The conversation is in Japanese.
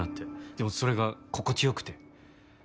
でもそれが心地良くて。